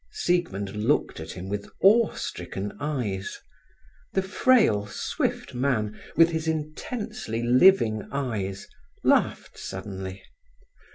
Siegmund looked at him with awe stricken eyes. The frail, swift man, with his intensely living eyes, laughed suddenly.